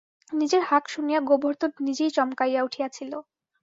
নিজের হাক শুনিয়া গোবর্ধন নিজেই চমকাইয়া উঠিয়াছিল।